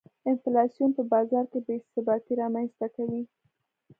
انفلاسیون په بازار کې بې ثباتي رامنځته کوي.